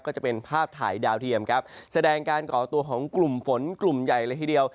ก็จะเป็นภาพถ่ายดาวเทียมครับแสดงการก่อตัวของกลุ่มฝนกลุ่มใหญ่เลยทีเดียว